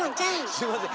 すいません。